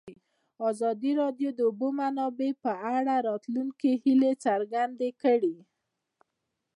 ازادي راډیو د د اوبو منابع په اړه د راتلونکي هیلې څرګندې کړې.